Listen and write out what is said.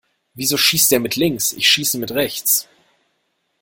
Wieso schießt der mit links? Ich schieß mit rechts.